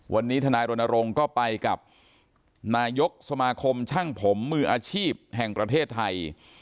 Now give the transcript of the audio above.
วันนี้ทนายรณรงค์ก็ไปกับนายกสมาคมช่างผมมืออาชีพแห่งประเทศไทย